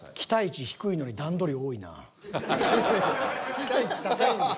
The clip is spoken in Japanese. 期待値高いんです。